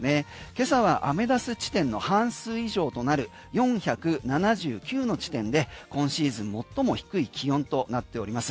今朝はアメダス地点の半数以上となる４７９の地点で今シーズン最も低い気温となっております。